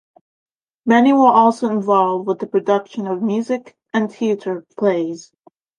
Many were also involved with the production of music and theatre plays.